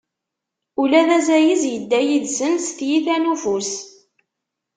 Ula d azayez yedda yid-sen s tyita n ufus.